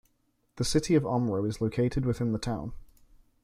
The City of Omro is located within the town.